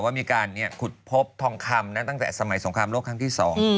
ว่ามีการขุดพบทองคำนะตั้งแต่สมัยสงครามโลกครั้งที่๒